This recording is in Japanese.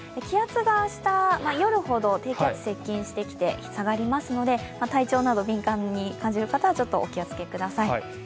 気圧が明日、夜ほど低気圧、接近してきて下がりますので体調など敏感に感じる方はお気を付けください。